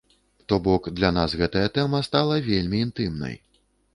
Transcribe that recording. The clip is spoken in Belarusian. То бок, для нас гэтая тэма стала вельмі інтымнай.